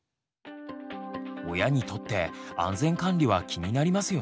親にとって安全管理は気になりますよね。